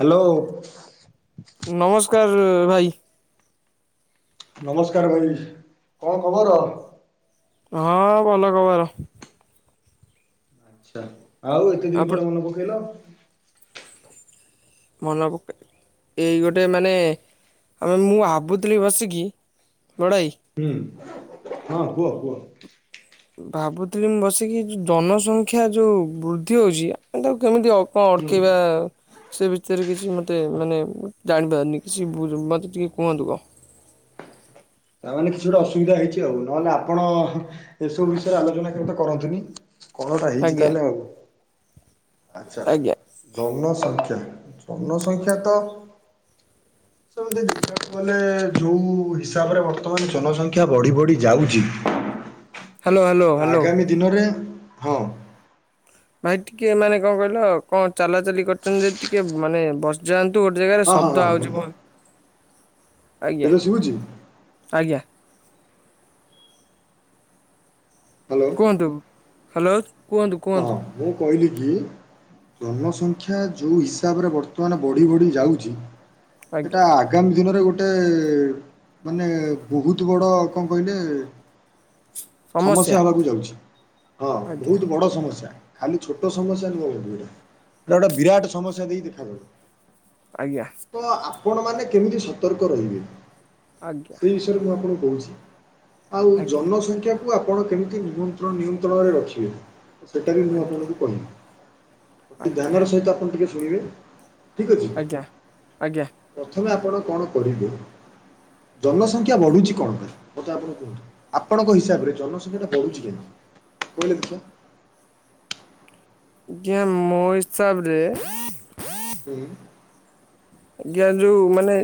Hello? ନମସ୍କାର୍ ଭାଇ। ନମସ୍କାର ଭାଇ। କଣ ଖବର? ହଁଅ-ଅ ଭଲ ଖବର। ଆଛା, ଆଉ ଏତେ ଦିନ ଆପଣ ପରେ ମନେ ପକେଇଲ? ମନ ପକେଇ ଏଇ ଗୋଟେ ମାନେ ଆମେ ମୁଁ ଭାବୁଥିଲି ବସିକି ବଡ଼ଭାଇ? ହୁଁ, ହଁ କୁହ କୁହ। ଭାବୁଥିଲି ମୁଁ ବସିକି ଯୋ ଜନସଂଖ୍ୟା ଯୋଉ ବୃଦ୍ଧି ହଉଛି ଆମେ ତାକୁ କେମିତି ଅ କଣ ହୁଁ ଅଟକେଇବା ସେ ବିଷୟରେ କିଛି ମୋତେ ମାନେ ଜାଣିପାରୁନି କିଛି ବୁ ମୋତେ ଟିକେ କୁହନ୍ତୁ କଣ। ତା ମାନେ କିଛି ଗୋଟେ ଅସୁବିଧା ହେଇଛି ଆଉ ନହେଲେ ଆପଣ ଏସବୁ ବିଷୟରେ ଆଲୋଚନା କେବେ ତ କରନ୍ତିନି? କଣ ଗୋଟା ହେଇଛି ଆଜ୍ଞା ତାହେଲେ ଆଉ, ଆଚ୍ଛା। ଆଜ୍ଞା ଜନସଂଖ୍ୟା, ଜନସଂଖ୍ୟା ତ ସେମିତି ଦେଖିବାକୁ ଗଲେ ଯୋଉ ଇସ୍ ତାପରେ ବର୍ତ୍ତମାନ ଜନସଂଖ୍ୟା ବଢ଼ି ବଢ଼ି ଯାଉଚି। Hello hello. ହ୍ୟାଲୋ ଆଗାମୀ ଦିନରେ ହଁ ଭାଇ ଟିକେ ମାନେ କଣ କହିଲ କଣ ଚଲାଚଲି କରୁଛନ୍ତି ଯଦି ଟିକେ ମାନେ ବସ୍ ଯାଆନ୍ତୁ ଗୋଟେ ଜାଗାରେ ହଁ ହଁ ଶଦ୍ଦ ଆଉଛି ହଁ ବହୁତ୍। ଆଜ୍ଞା, ଏବେ ଶୁଭୁଛି ଆଜ୍ଞା। ହ୍ୟାଲୋ କୁହନ୍ତୁ ହ୍ୟାଲୋ? କୁହନ୍ତୁ ହଁ କୁହନ୍ତୁ ମୁଁ କହିଲିକି ଜନସଂଖ୍ୟା ଯୋଉ ହିସାବରେ ବର୍ତ୍ତମାନ ବଢି ବଢି ଯାଉଚି, ଆଜ୍ଞା ସେଟା ଆଗାମୀ ଦିନରେ ଗୋଟେ ମାନେ ବହୁତ ବଡ଼ କଣ କହିଲେ ସମସ୍ୟା ହବାକୁ ଯାଉଛି ହଁ ଆଜ୍ଞା ବହୁତ୍ ବଡ ସମସ୍ୟା, ଖାଲି ଛୋଟ ସମସ୍ୟା ନୁହେଁ [unintelligible] ଏଇଟା ଗୋଟା ବିରାଟ ସମସ୍ୟା ଦେଇ ଦେଖାଦେବ। ଆଜ୍ଞା। ତ ଆପଣ ମାନେ କେମିତି ସତର୍କ ରହିବେ ଆଜ୍ଞା ସେଇ ମୁଁ ଆପଣଙ୍କୁ କହୁଛି ଆଉ ଆଜ୍ଞା ଜନସଂଖ୍ୟା ତାକୁ ଆପଣ କେମିତି ନିମନ୍ତ୍ରଣ ନିୟନ୍ତ୍ରଣରେ ରଖିବେ। ସେଇଟା ବି ମୁଁ ଆଜ୍ଞା ଆପଣଙ୍କୁ କହିବି, ଆଜ୍ଞା ଧ୍ୟାନର ସହିତ ଆପଣ ଟିକିଏ ଶୁଣିବେ, ଠିକ୍ ଅଛି? ଆଜ୍ଞା, ଆଜ୍ଞା। ପ୍ରଥମେ ଆପଣ କଣ କରିବେ, ଜନସଂଖ୍ୟା ବଢୁଛି କଣ ପାଇଁ ମତେ ଆପଣ କୁହନ୍ତୁ? ଆପଣଙ୍କ ହିସାବରେ ଜନସଂଖ୍ୟାଟା ବଢୁଛି କେମିତି କହିଲେ ଦେଖିବା? ଆଜ୍ଞା ମୋ ହିସାବରେ ହୁଁ। ଆଜ୍ଞା ଯୋଉ ମାନେ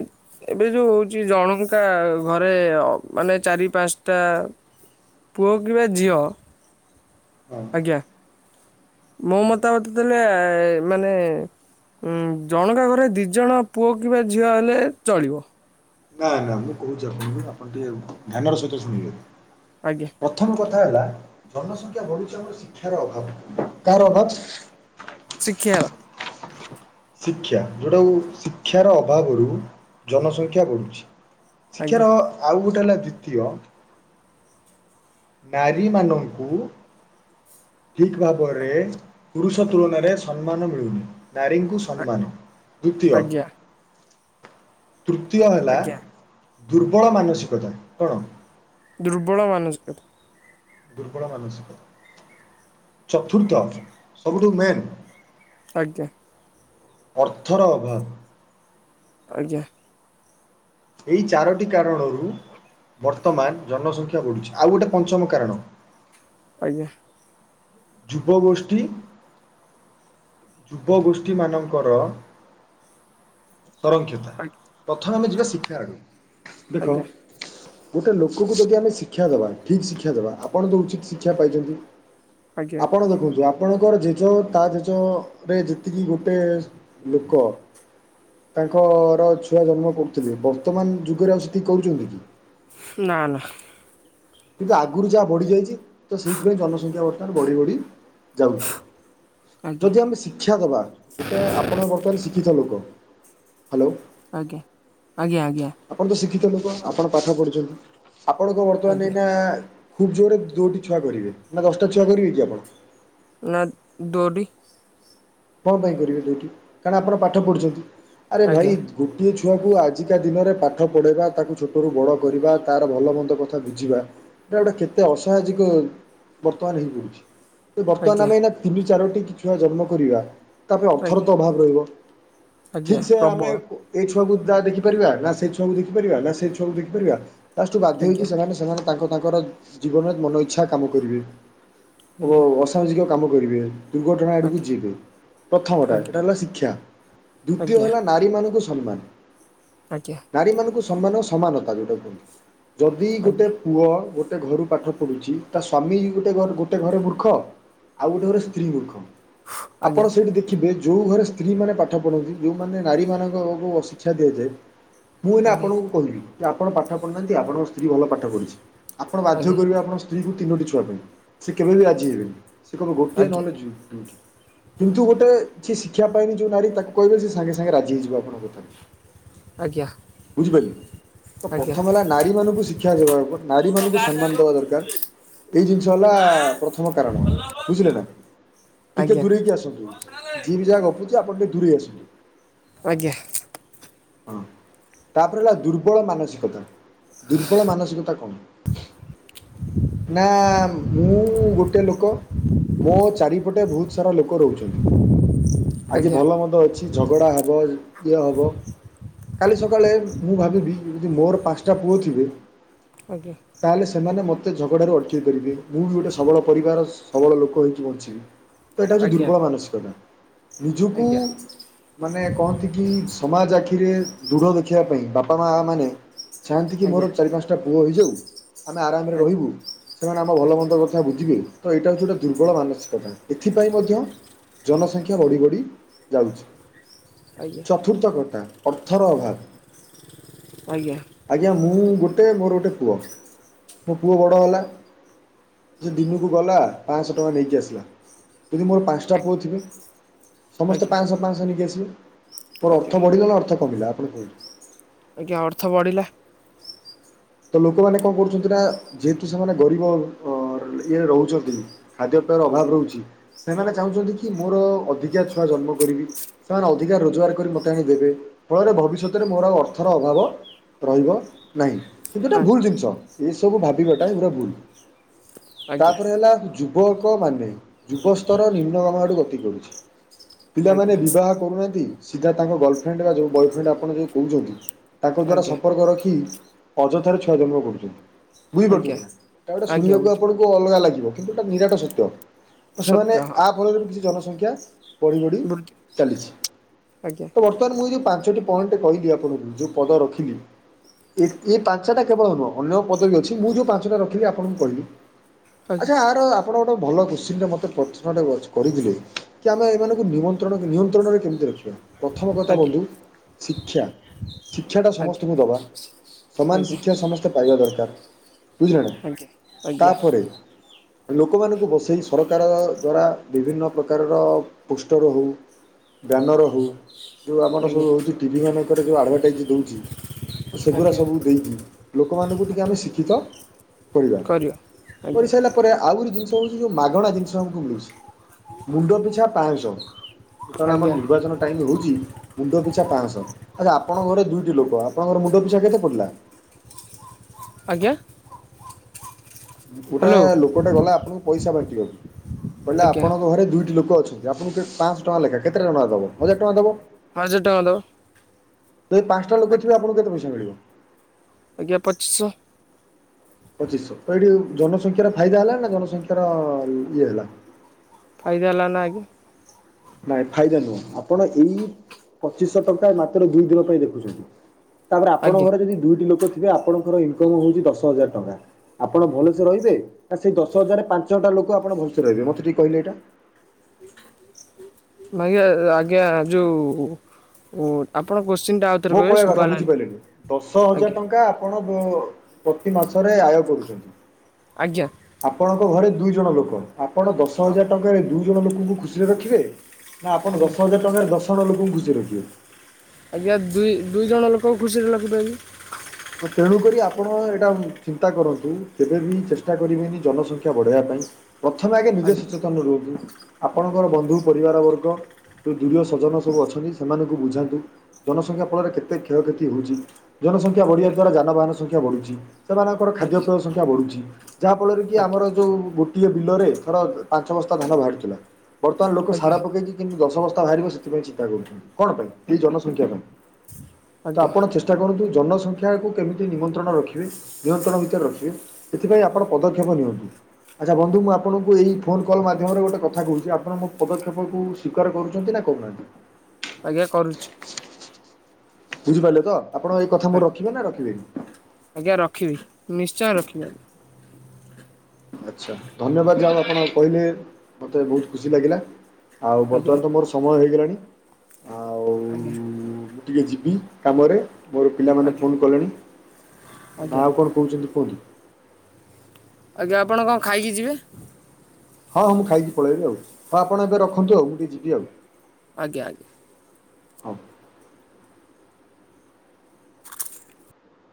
ଏବେ ଯୋଉ ହଉଛି ଜଣଙ୍କା ଘରେ ମାନେ ଚାରି ପାଞ୍ଚଟା ପୁଅ କିବା ଝିଅ ହଁ, ଆଜ୍ଞା, ମୋ ହୁଁ। ମତାମତ ଦେଲେ-ଏ-ଏ-ଏ ମାନେ ଜଣକା ଘରେ ଦିଜଣ ପୁଅ କିମ୍ବା ଝିଅ ହେଲେ ଚଳିବ। ନା ନା ମୁଁ କହୁଛି ଆପଣଙ୍କୁ ଆପଣ ଟିକେ ଧ୍ୟାନର ସହିତ ଶୁଣିବେ। ଆଜ୍ଞା। ପ୍ରଥମ କଥା ହେଲା ଜନସଂଖ୍ୟା ବଢୁଛି ଆମର ଶିକ୍ଷାର ଅଭାବ କାହାର ଅଭାବ? ଶିକ୍ଷା ର। ଶିକ୍ଷା ଯେଉଁଟାକୁ ଶିକ୍ଷାର ଅଭାବରୁ ଜନସଂଖ୍ୟା ବଢ଼ୁଛି। ଆଜ୍ଞା ଶିକ୍ଷାର ଅ ଆଉ ଗୋଟେ ହେଲା ଦ୍ଵିତୀୟ ନାରୀମାନ ଙ୍କୁ। ଠିକ ଭାବରେ ପୁରୁଷ ତୁଳନାରେ ସମ୍ମାନ ମିଳୁନି ନାରୀଙ୍କୁ ସ୍ ସମ୍ମାନ ଦ୍ୱିତୀୟ। ଆଜ୍ଞା ତୃତୀୟ ହେଲା ଆଜ୍ଞା ଦୁର୍ବଳ ମାନସିକତା କଣ? ଦୁର୍ବଳ ମାନସିକତା। ଦୁର୍ବଳ ମାନସିକ ଚତୁର୍ଥ ସବୁଠୁ ମେନ୍। ଆଜ୍ଞା। ଅର୍ଥର ଅଭାବ। ଆଜ୍ଞା। ଏଇ ଚାରୋଟି କାରଣରୁ ବର୍ତ୍ତମାନ ଜନସଂଖ୍ୟା ବଢ଼ୁଛି ଆଉ ଗୋଟେ ପଞ୍ଚମ କାରଣ। ଆଜ୍ଞା। ଯୁବଗୋଷ୍ଠୀ। ଯୁବଗୋଷ୍ଠୀ ମାନନଙ୍କର। ସଂରକ୍ଷିତା ପ୍ରଥମେ ଆମେ ଯିବା ଶିକ୍ଷା ଆଡକୁ ଦେଖ। ଆଜ୍ଞା ଗୋଟେ ଲୋକକୁ ଯଦି ଆମେ ଶିକ୍ଷା ଦବା ଠିକ ଶିକ୍ଷା ଦବା ଆପଣ ତ ଉଚିତ ଶିକ୍ଷା ପାଇଛନ୍ତି। ଆଜ୍ଞା ଆପଣ ଦେଖନ୍ତୁ ଆପ ଆପଣଙ୍କର ଜେଜ ତା ଜେଜ ରେ ଯେତିକି ଗୋଟେ ଲୋକ। ତାଙ୍କର ଛୁଆ ଜନ୍ମ କରୁଥିଲେ ବର୍ତ୍ତମାନ ଯୁଗରେ ଆଉ ସେତିକି କରୁଛନ୍ତି କି? ନା ନା। କିନ୍ତୁ ଆଗରୁ ଯାହା ବଢ଼ିଯାଇଛି ତ ସେଇଥିପାଇଁ ଜନସଂଖ୍ୟା ବର୍ତ୍ତମାନ ବଢ଼ି ବଢ଼ି ଯାଉଛି। ଆଜ୍ଞା ଯଦି ଆମେ ଶିକ୍ଷା ଦବା ଗୋଟେ ଆପଣ ବର୍ତ୍ତମାନ ଶିକ୍ଷିତ ଲୋକ ହ୍ୟାଲୋ। ଆଜ୍ଞା ଆଜ୍ଞା ଆଜ୍ଞା। ଆପଣ ତ ଶିକ୍ଷିତ ଲୋକ ଆପଣ ପାଠ ପଢୁଛନ୍ତି ଆପଣଙ୍କ ବର୍ତ୍ତମାନ ଆଜ୍ଞା ନା ଖୁବ୍ ଜୋରରେ ଦୋଟି ଛୁଆ କରିବେ ନା ଦଶଟା ଛୁଆ କରିବେ କି ଆପଣ? ନା ଦୋଟି। କଣ ପାଇଁ କରିବେ ଦୁଇଠି କାରଣ ଆପଣ ପାଠ ପଢ଼ୁଛନ୍ତି ଆରେ ଆଜ୍ଞା ଭାଇ ଗୋଟିଏ ଛୁଆକୁ ଆଜିକା ଦିନରେ ପାଠ ପଢ଼ାଇବା ତାକୁ ଛୋଟରୁ ବଡ଼ କରିବା ତାର ଭଲମନ୍ଦ କଥା ବୁଝିବା। ଏଟା ଗୋଟା କେତେ ଅସାହାଜିକ ବର୍ତ୍ତମାନ ହେଇପଡୁଛି। ବର୍ତ୍ତମାନ ଆଜ୍ଞା ଆମେ ଏଇନା ତିନି ଚାରୋଟି ଛୁଆ ଜନ୍ମ କରିବା। ତା ପାଇଁ ଅର୍ଥର ଆଜ୍ଞା ତ ଅଭାବ ରହିବ ଆଜ୍ଞା ଠିକ୍ ସେ ଆମେ ପ୍ରବଳ ଏଇ ଛୁଆକୁ ଯା ଦେଖିପାରିବା ନା ସେଇ ଛୁଆକୁ ଦେଖିପାରିବା ନା ସେଇ ଛୁଆକୁ ଦେଖିପାରିବା ପୁ ବାଧ୍ୟ ଆଜ୍ଞା ହେଇକି ସେମାନେ ସେମାନ ତାଙ୍କ ତାଙ୍କର ଜୀବନରେ ମନ ଇଛା କାମ କରିବେ ଓ ଆଜ୍ଞା ଅ ସାମାଜିକ କାମ କରିବେ ଦୁର୍ଘଟଣା ଆଡ଼କୁ ଆଜ୍ଞା ଯିବେ। ପ୍ରଥମଟା ଆଜ୍ଞା ଏଇଟା ହେଲା ଶିକ୍ଷା ଦ୍ଵିତୀୟ ଆଜ୍ଞା ହେଲା ନାରୀମାନଙ୍କୁ ସମ୍ମାନ। ଆଜ୍ଞା। ନାରୀମାନଙ୍କୁ ସମାନ ସମାନତା ଯେଉଁଟା କୁହନ୍ତି ଯଦି ଗୋଟେ ଆଜ୍ଞା ପୁଅ ଗୋଟେ ଘରୁ ପାଠ ପଢ଼ୁଛି ତା ସ୍ଵାମୀ ଗୋଟେ ଗୋଟେ ଘରେ ମୂର୍ଖ। ଆଉ ଗୋଟେ ଘରେ ସ୍ତ୍ରୀ ମୂର୍ଖ ଆଜ୍ଞା ଆପଣ ସେଇଠି ଦେ ଖିବେ ଯୋଉ ଘରେ ସ୍ତ୍ରୀ ମାନେ ପାଠ ପଢନ୍ତି ଯୋଉମାନେ ନାରୀ ମାନଙ୍କକୁ ଅଶିକ୍ଷା ଦିଆଯାଏ। ମୁଁ ଏଇନା ଆଜ୍ଞା ଆଜ୍ଞା ଆଜ୍ଞା ଆପଣଙ୍କୁ କହିବି ଯେ ଆପଣ ପାଠ ପଢୁନାହାନ୍ତି ଆପଣଙ୍କ ସ୍ତ୍ରୀ ଭଲ ପାଠ ପଢିଛି। ଆପଣ ବାଧ୍ୟ ଆଜ୍ଞା କରିବେ ଆପଣ ସ୍ତ୍ରୀକୁ ତିନୋଟି ଛୁଆ ପାଇଁ ସେ କେବେ ବି ରାଜି ହେବେନି। ସେ କହିବେ ଗୋଟିଏ ଆଜ୍ଞା ନହେଲେ ଜୁ ଦୁଇଟି। କିନ୍ତୁ ଗୋଟେ ଯିଏ ଶିକ୍ଷା ପାଇନି ଯୋଉ ନାରୀ ତାକୁ କହିବେ ସେ ସାଙ୍ଗେ ସାଙ୍ଗେ ରାଜି ହେଇଯିବ ଆପଣ ହୋଉ ତାହେଲେ ଆଜ୍ଞା ଆଜ୍ଞା ଆଜ୍ଞା ବୁଝିପାଇଲେ ତ ଆଜ୍ଞା ପ୍ରଥମ ହେଲା ନାରୀମାନଙ୍କୁ ଶି କ୍ଷା [unintelligible] ନାରୀ ମାନଙ୍କୁ ସମ୍ମାନ ଦବା ଦରକାର। ଏଇ ଜିନିଷ ହେଲା ପ୍ରଥମ କାରଣ ବୁଝିଲେ ନା ଟିକେ ଦୂରେଇକି ଆସ [unintelligible] ଯିଏ ବି ଯାହା ଗପୁଚି ଆପଣ ଟିକେ ଦୂରେଇ ଆସନ୍ତୁ। ଆଜ୍ଞା। ହଁ ତାପରେ ହେଲା ଦୁର୍ବଳ ମାନସିକତା। ଦୁର୍ବଳ ମାନସିକତା କଣ? ନା ମୁଁ ଗୁଟେ ଲୋକ ମୋ ଚାରିପଟେ ବୋହୁତ ସାରା ଲୋକ ରହୁଛନ୍ତି। ଆଜି ଭଲ ମନ୍ଦ ଅଛି। ଝଗଡା ହବ ଇଏ ହବ। କାଲି ସକାଳେ ମୁଁ ଭାବିବି ଯଦି ମୋର ପାଞ୍ଚଟା ପୁଅ ଥିବେ। ଆଜ୍ଞା। ତାହେଲେ ସେମାନେ ମୋତେ ଝଗଡାରୁ ଅଟକେଇ ପାରିବେ। ମୁଁ ବି ଗୋଟେ ସବଳ ପରିବାର ସବଳ ଲୋକ ହୋଇକି ବଞ୍ଚିବି। ତ ଏଇଟା ହୋଉଚି ଆଜ୍ଞା ଦୁର୍ବଳ ମାନସିକତା ନିଜକୁ ଆଜ୍ଞା ମାନେ କହନ୍ତି କି ସମାଜ ଆଖିରେ ଦୃଢ ଦେଖିବା ପାଇଁ ବାପା, ମା ମାନେ ଚାହାନ୍ତି କି ଆଜ୍ଞା ମୋର ଚାରି ପାଞ୍ଚଟା ପୁଅ ହୋଇଯାଉ। ଆମେ ଆରାମରେ ଆଜ୍ଞା ରହିବୁ ସେମାନେ ଆମ ଭଲ ଆଜ୍ଞା ମନ୍ଦ କ ଥା ବୁଝିବେ ତ ଏଇଟା ହୋଉଚି ଗୋଟେ ଦୁର୍ବଳ ମାନସିକତା ଏଥିପାଇଁ ମଧ୍ୟ ଜନସଂଖ୍ୟା ବଢି ବଢି ଯାଉଚି। ଆଜ୍ଞା। ପ୍ରକୃତ କଥା ଅର୍ଥର ଅଭାବ। ଆଜ୍ଞା। ଆଜ୍ଞା ମୁଁ ଗୁଟେ ମୋର ଗୋଟେ ପୁଅ। ମୋ ପୁଅ ବଡ ହେଲା। ସେ ଦିନକୁ ଗଲା ପାଂଶହ ଟଙ୍କା ନେଇକି ଆସିଲା। ଯଦି ମୋର ପାଞ୍ଚଟା ପୁଅ ଥିବେ। ସମସ୍ତେ ଆଜ୍ଞା ପାଂଶହ, ପାଂଶହ ନେଇକି ଆସିବେ ମୋର ଆଜ୍ଞା ଅର୍ଥ ବଢିଲା ନା ଅର୍ଥ କମିଲା ଆପଣ କୁହନ୍ତୁ। ଆଜ୍ଞା ଅର୍ଥ ବଢିଲା। ତ ଲୋକମାନେ କଣ କରୁଚନ୍ତି ନା ଯେହେତୁ ସେମାନେ ଗରିବ ଇଏରେ ରହୁଚନ୍ତି। ଖାଦ୍ୟ ପେୟର ଅଭାବ ରହୁଚି। ସେମାନେ ଚାହୁଁଚନ୍ତି କି ମୋର ଅଧିକା ଛୁଆ ଜନ୍ମ କରିବି। ସେମାନେ ଅଧିକା ରୋଜଗାର କରି ମୋତେ ଆଣି ଦେବେ ଫଳରେ ଭବିଷ୍ୟତରେ ମୋର ଆଉ ଅର୍ଥର ଅଭାବ ରହିବ ନାହିଁ। କିନ୍ତୁ ଏଇଟା ନାଇଁ ଭୁଲ୍‌ ଜିନିଷ ଏସବୁ ଭାବିବାଟା ଏଗୁରା ଭୁଲ୍‌ ଆଜ୍ଞା ତାପରେ ହେଲା ଯୁ ବକ ମାନେ ଯୁବ ସ୍ତର ନିମ୍ନଗାମ ଆଡକୁ ଗତି କରୁଚି। ପିଲାମାନେ ଆଜ୍ଞା ବିବାହ କରୁନାହାନ୍ତି। ସିଧା ତାଙ୍କ ଗର୍ଲଫ୍ରେଣ୍ଡ ବା ଯେଉଁ ବୟଫ୍ରେଣ୍ଡ ଆପଣ ଯେଉଁ କୋହୁଚନ୍ତି ତାଙ୍କ ଆଜ୍ଞା ଦ୍ୱାରାସମ୍ପର୍କ ରଖି ଅଯଥାରେ ଛୁଆ ଜନ୍ମ କରୁଚନ୍ତି ଆଜ୍ଞା ବୁଝିପାରୁଚନ୍ତି ନା। ଏଟା ଗୋଟେ ଆଜ୍ଞା ଶୁଣିବାକୁ ବୁଝିଲି ଆପଣଙ୍କୁ କୁ ଅଲଗା ଲାଗିବ କିନ୍ତୁ ଏଟା ନିରାଟ ସତ୍ୟ। ସେମାନେ ସତ୍ୟ ହଁ ଆ ଫଳରେ ବି କିଛି ଜନସଂଖ୍ୟା ବଢି ବଢି ବୃଦ୍ଧି ଚାଲିଚି ଆଜ୍ଞା ତ ବର୍ତ୍ତ ମାନ ଯୋଉ ମୁଁ ଯୋଉ ପାଞ୍ଚଟି ପଏଣ୍ଟ କହିଲି ଆପଣଙ୍କୁ ଯୋଉ ପଦ ରଖିଲି। ଏଇ ପାଞ୍ଚଟା କେବଳ ନୁହଁ ଅନ୍ୟ ପଦ ବି ଅଛି। ମୁଁ ଯୋଉ ପାଞ୍ଚଟା ରଖିଲି ଆପଣଙ୍କୁ କହିଲି। ଆଜ୍ଞା ଆଚ୍ଛା ଆର ଆପଣ ଗୋଟେ ଭଲ କୋଶ୍ଚିନଟେ ମତେ ପ୍ରଶ୍ନଟା କରିଥିଲେ। କି ଆମେ ଏଇମାନଙ୍କୁ ନିମନ୍ତ୍ରଣ ନିୟନ୍ତ୍ରଣରେ କେମିତି ରଖିବା। ପ୍ରଥମ କଥା ଆଜ୍ଞା ବନ୍ଧୁ ଶିକ୍ଷା ଶିକ୍ଷାଟା ସମସ୍ତଙ୍କୁ ଆଜ୍ଞା ଦବା। ସମାନ ଆଜ୍ଞା ଆଜ୍ଞା ଶିକ୍ଷା ସମସ୍ତେ ପାଇବା ଦରକାର ବୁଝିଲ ନା ଆଜ୍ଞା ତାପରେ ଲୋକମାନଙ୍କୁ ବସେଇ ସରକାର ଦ୍ୱାରା ବିଭିନ୍ନ ପ୍ରକାରର ପୋଷ୍ଟର ହୋଉ ବ୍ୟାନର ହୋଉ ଯୋଉ ଆମର ସବୁ ହୋଉଚି ଟିଭି ମାନଙ୍କରେ ଯୋଉ ଆଡଭାର୍ଟାଇଜ୍ ଦୋଉଚି ତ ଆଜ୍ଞା ସେଗୁରା ସ ଆଜ୍ଞା ଦେଇକି ଲୋକମାନଙ୍କୁ ଟିକେ ଆମେ ଶିକ୍ଷିତ କରିବା। ଆଜ୍ଞା କରିସାଇଲା ପରେ ଆଉ ଗୋରେ ଜିନିଷ ହୋଉଚି। ଯୋଉ ମାଗଣା ଜିନିଷ ଆମକୁ ମିଳୁଚି। ମୁଣ୍ଡ ପିଛା ପାଂଶହ। ଯେତେବେଳେ ଆମର ଆଜ୍ଞା ନିର୍ବାଚନ ଟାଇମ୍ ହୋଉଚି। ମୁଣ୍ଡ ପିଛା ପାଂଶହ ଆଚ୍ଛା ଆପଣଙ୍କ ଘରେ ଦୁଇଟି ଲୋକ। ଆପଣଙ୍କର ମୁଣ୍ଡ ପିଛା କେତେ ପଡିଲା? ଆଜ୍ଞା। ଗୋଟା ହ୍ୟାଲୋ ଲୋକଟା ଗଲା ଆପଣଙ୍କୁ ପଇଷା ବାଣ୍ଟି ବାକୁ କହିଲା ଆଜ୍ଞା ଆପଣଙ୍କ ଘରେ ଦୁଇଟି ଲୋକ ଅଛନ୍ତି। ଆପଣଙ୍କୁ କେ ପାଞ୍ଚଶହ ଟଙ୍କା ଲେଖାଁଏ କେତେ [unintelligible] ଟଙ୍କା ଦେବ ହଜାର ଟଙ୍କା ଦବ। ହଜାର ଟଙ୍କା ଦବ। ଯଦି ପାଞ୍ଚଟା ଲୋକ ଥିବେ ଆପଣଙ୍କୁ କେତେପଇସା ମିିଳିବ? ଆଜ୍ଞା ପଚିଶହ। ପଚିଶଶହ ତ ଏଇଠି ଜନସଂଖ୍ୟାର ଫାଇଦା ହେଲା ନା ଜନସଂଖ୍ୟାର ଇଏ ହେଲା। ଫାଇଦା ହେଲା ନା ଆଗେ। ନାଇଁ ଫାଇଦା ନୁହଁ ଆପଣ ଏଇ ପଚିଶଶହ ଟଙ୍କା ମାତ୍ର ଦୁଇ ଦିନ ପାଇଁ ଦେଖୁଛନ୍ତି। ତାପରେ ଆପଣଙ୍କ ଆଜ୍ଞା ଘରେ ଯଦି ଦୁଇଟି ଲୋକ ଥିବେ ଆପଣଙ୍କର ଇନକମ୍ ହଉଛି ଦଶ ହଜାର ଟଙ୍କା। ଆପଣ ଭଲସେ ରହିବେ ନା ସେଇ ଦଶ ହଜାର ପାଞ୍ଚଟା ଲୋକ ଆପଣ ଭଲସେ ରହିବେ ମତେ ଟିକେ କହିଲେ ଏଇଟା। ଭାଇ ଆ ଆଜ୍ଞା ଯୋଉ ଓ ଆପଣ କୋଶ୍ଚିନ୍ଟା ଆଉଥରେ ମୋ କହିବେ କହିବା ଶୁଭା କଥା ଗଲାନି ବୁଝିପାରିଲେନି ଦଶ ହଜାର ଆଜ୍ଞା। ଟଙ୍କା ଆପଣ ପ୍ରତି ମାସରେ ଆୟ କରୁଛନ୍ତି। ଆଜ୍ଞା। ଆପଣଙ୍କ ଘରେ ଦୁଇ ଜଣ ଲୋକ ଆପଣ ଦଶ ହଁ ହଜାର ଟଙ୍କାରେ ଦୁଇ ଜଣ ଲୋକଙ୍କୁ ଖୁସିରେ ରଖିବେ। ନା ଆପଣ ଆଜ୍ଞା ଦଶ ହଜାର ଟଙ୍କାରେ ଦଶଜଣ ଲୋକଙ୍କୁ ଖୁସିରେ ରଖିବେ। ଆଜ୍ଞା ଦୁଇ ଦୁଇ ଜଣ ଲୋକ ଖୁସିରେ ରଖିପାରିବି। ତ ତେଣୁକରି ଆପଣ ଏଇଟା ଚିନ୍ତା କରନ୍ତୁ କେବେ ବି ଚେଷ୍ଟା କରିବେନି ଜନସଂଖ୍ୟା ବଢ଼େଇବା ପାଇଁ। ପ୍ରଥମେ ଆଗେ ନିଜେ ଆଜ୍ଞା ସଚେତନ ରୁହନ୍ତୁ ଆପଣଙ୍କର ବନ୍ଧୁ ପରିବାର ବର୍ଗ ଯେଉଁ ଦୂରିୟ ସଜନ ସବୁ ଅଛନ୍ତି ସେମାନଙ୍କୁ ବୁଝାନ୍ତୁ। ଜନସଂଖ୍ୟା ଫଳରେ କେତେ କ୍ଷୟକ୍ଷତି ହଉଛି ଜନସଂ ସଂଖ୍ୟା ବଢ଼ିବା ଆଜ୍ଞା ଦ୍ୱାରା ଯାନବାହାନ ସଂଖ୍ୟା ବଢ଼ୁଛି। ସେମାନଙ୍କର ଆଜ୍ଞା ଖାଦ୍ୟପେୟ ସଂଖ୍ୟା ବଢ଼ୁଛି। ଯାହା ଫଳରେ କି ଆମର ଯୋଉ ଗୋଟିଏ ବିଲରେ ଥର ପାଞ୍ଚ ବସ୍ତା ଧାନ ବାହାରୁଥିଲା। ବର୍ତ୍ତମାନ ଲୋକ ଆଜ୍ଞା ସାର ଆଜ୍ଞା ପକେଇକି କେମିତି ଦଶବସ୍ଥା ବାହାରିବ ସେଥିପାଇଁ ଚିନ୍ତା କରୁଛନ୍ତି। କଣ ପାଇଁ ଏ ଜନସଂଖ୍ୟା ପାଇଁ ତ ଆଜ୍ଞା ଆପଣ ଚେ ଚେଷ୍ଟା କରନ୍ତୁ ଜନ ସଂଖ୍ୟାକୁ କେମିତି ନିମନ୍ତ୍ରଣ ରଖିବେ ନିୟନ୍ତ୍ରଣ ଭିତରେ ରଖିବେ ସେଥିପାଇଁ ଆପଣ ପଦକ୍ଷେପ ନିଅନ୍ତୁ। ଆଚ୍ଛା ବନ୍ଧୁ ମୁଁ ଆପଣଙ୍କୁ ଏଇ ଫୋନ୍ କଲ୍ ମାଧ୍ୟମରେ ଗୋଟେ କଥା କହୁଛି ଆପଣ ମୋ ପଦକ୍ଷେପକୁ ସ୍ୱୀକାର କରୁଛନ୍ତି ନା କରୁନାହାନ୍ତି। ଆଜ୍ଞା କରୁଚି। ବୁଝିପାରିଲେ ତ ଆପଣ ଏଇ କଥା ମୋର ରଖିବେ ନା ରଖିବେନି? ଆଜ୍ଞା ରଖିବି ନିଶ୍ଚୟ ରଖିବି। ଆଚ୍ଛା ଧନ୍ୟବାଦ ଯାହା ହଉ ଆପଣ କହିଲେ ମତେ ବହୁତ ଖୁସି ଲାଗିଲା। ଆଉ ଆଜ୍ଞା ବର୍ତ୍ତମାନ ତ ମୋର ସମୟ ହେଇଗଲାଣି। ଆଜ୍ଞା। ଟିକଏ ଯିବି କାମରେ ମୋର ପିଲାମାନେ ଆଜ୍ଞା ଫୋନ କଲେଣି ଆଜ୍ଞା ନା ଆଉ କଣ? କହୁଛନ୍ତି ପୋଡ଼ି। ଆଜ୍ଞା ଆପଣ କଣ ଖାଇକି ଯିବେ? ହଁ ହଁ ମୁଁ ଖାଇକି ପଳେଇବି ଆଉ ହଁ ଆପଣ ଏବେ ରଖନ୍ତୁ ଆଉ ମୁଁ ଟିକେ ଯିବି ଆଉ ଆଜ୍ଞା ଆଜ୍ଞା। ହଁ।